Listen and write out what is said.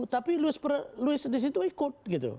tapi louis di situ ikut gitu